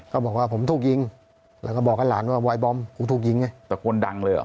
บอกว่าผมถูกยิงแล้วก็บอกกับหลานว่าวายบอมกูถูกยิงไงตะโกนดังเลยเหรอ